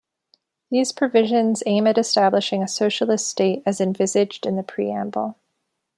These provisions aim at establishing a socialist state as envisaged in the Preamble.